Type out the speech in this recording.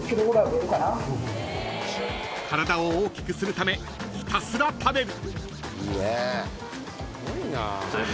［体を大きくするためひたすら食べる］